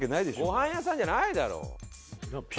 ご飯屋さんじゃないだろ。